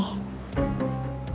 pokoknya aku harus bisa